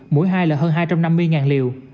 mỗi hai là hơn hai trăm năm mươi liều